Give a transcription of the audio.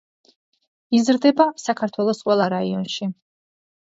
იზრდება საქართველოს ყველა რაიონში.